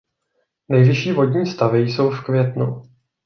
Nejvyšší vodní stavy jsou v květnu.